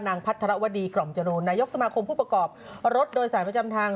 พัทรวดีกล่อมจรูนนายกสมาคมผู้ประกอบรถโดยสายประจำทาง